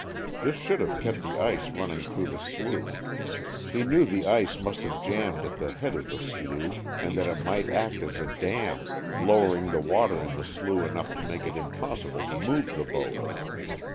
This should have kept the ice running through the slough. He knew the ice must have jammed at the head of the slough, and that it might act as a dam, lowering the water in the slough enough to make it impossible to move the boat.